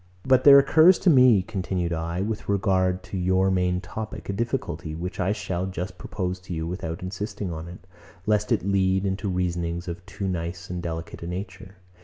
115. But there occurs to me (continued I) with regard to your main topic, a difficulty, which I shall just propose to you without insisting on it; lest it lead into reasonings of too nice and delicate a nature.